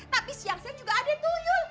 tapi siang saya juga ada tuyul